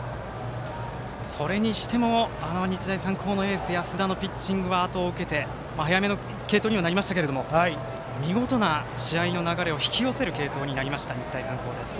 それにしても日大三高のエース安田のピッチングは早めの継投にはなりましたが見事な試合の流れを引き寄せる継投になりました、日大三高です。